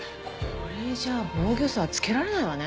これじゃあ防御創はつけられないわね。